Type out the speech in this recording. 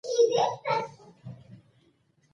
د افغانستان ملي بیرغ تور، سور او شین رنګ لري.